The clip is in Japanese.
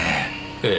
ええ。